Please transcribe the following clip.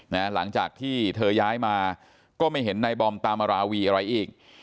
หลังจากที่เธอย้ายมาก็ไม่เห็นนายบอมตามราวีอะไรอีก